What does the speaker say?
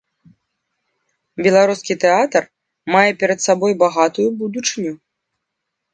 Беларускі тэатр мае перад сабою багатую будучыню.